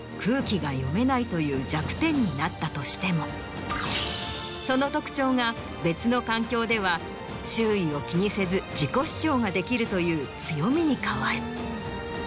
空気が読めないという弱点になったとしてもその特徴が別の環境では周囲を気にせず自己主張ができるという強みに変わる。